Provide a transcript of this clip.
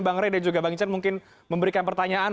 bang rey dan juga bang ican mungkin memberikan pertanyaan